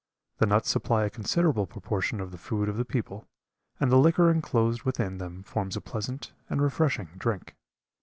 The nuts supply a considerable proportion of the food of the people, and the liquor enclosed within them forms a pleasant and refreshing drink.